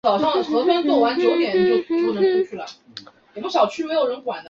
我也无法停止担心